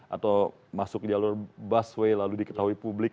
atau masuk jalur busway lalu diketahui publik